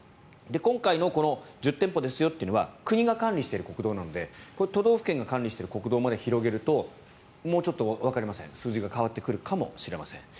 今回のこの１０店舗ですよっていうのは国が管理している国道なので都道府県が管理している国道まで広げるともうちょっとわかりません数字が変わってくるかもしれません。